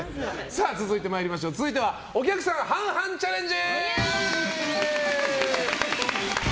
続いてお客さん半々チャレンジ！